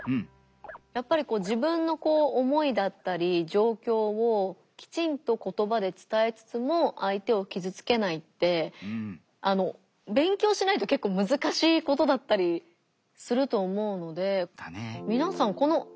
やっぱり自分の思いだったり状況をきちんと言葉で伝えつつも相手を傷つけないって勉強しないと結構難しいことだったりすると思うので。